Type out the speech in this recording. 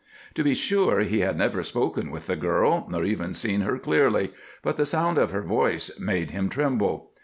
To be sure, he had never spoken with the girl, nor even seen her clearly, but the sound of her voice made him tremble.